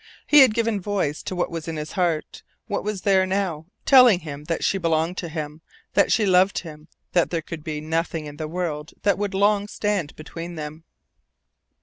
He had given voice to what was in his heart, what was there now, telling him that she belonged to him, that she loved him, that there could be nothing in the world that would long stand between them.